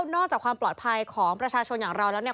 นอกจากความปลอดภัยของประชาชนอย่างเราแล้วเนี่ย